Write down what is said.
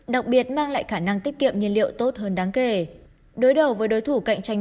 đặc biệt mang lại khả năng tiết kiệm nhiên liệu tốt hơn đáng kể đối đầu với đối thủ cạnh tranh